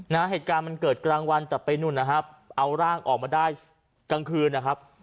เหตุการณ์มันเกิดกลางวันจัดไปนู่นนะครับเอาร่างออกมาได้กลางคืนนะครับ